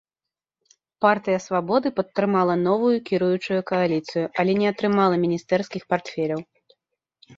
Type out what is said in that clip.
Партыя свабоды падтрымала новую кіруючую кааліцыю, але не атрымала міністэрскіх партфеляў.